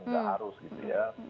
tidak harus gitu ya